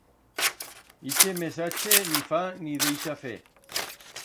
Ixe mesache ni fa ni deixa fer.